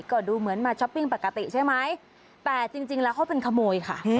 ก็ดูเหมือนมาช้อปปิ้งปกติใช่ไหมแต่จริงแล้วเขาเป็นขโมยค่ะ